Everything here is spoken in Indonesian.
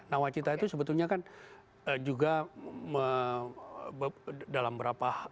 nawacita itu sebetulnya kan juga dalam beberapa